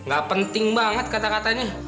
gak penting banget kata katanya